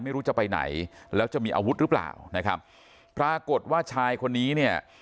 ไม่รู้จะไปไหนแล้วจะมีอาวุธหรือเปล่านะครับปรากฏว่าชายคนนี้เนี่ย